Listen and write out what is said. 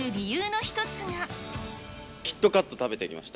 キットカット食べてきました。